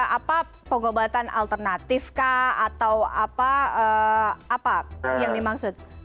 apa pengobatan alternatif kah atau apa yang dimaksud